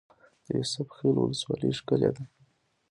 د یوسف خیل ولسوالۍ ښکلې ده